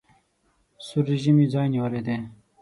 سور رژیم یې ځای نیولی دی.